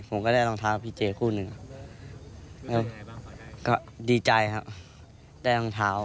ผมแดนหลองเท้ากับพี่เจคู่หนึ่ง